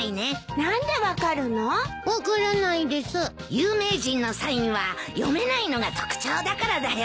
有名人のサインは読めないのが特徴だからだよ。